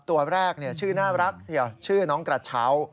ตัวแรกชื่อน่ารักชื่อน้องกระเช้า